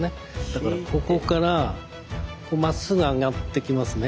だからここからこうまっすぐ上がってきますね。